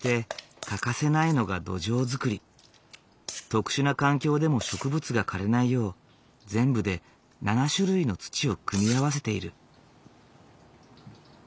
特殊な環境でも植物が枯れないよう全部で７種類の土を組み合わせている。